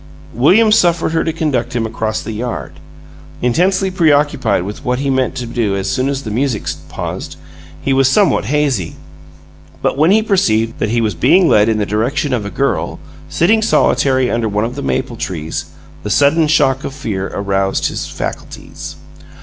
William suffered her to conduct him across the yard. Intensely preoccupied with what he meant to do as soon as the music paused, he was somewhat hazy, but when he perceived that he was being led in the direction of a girl, sitting solitary under one of the maple trees, the sudden shock of fear aroused his faculties.